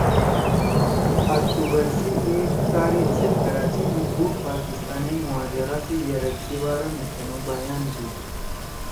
اکتوبر سی ایک تاریخ زید کراچی می بُوڑ پاکستانی مہاجرا سی یرک سی بارا می تنُو بیان دیِد